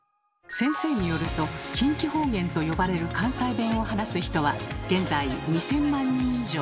先生によると「近畿方言」と呼ばれる関西弁を話す人は現在２，０００万人以上。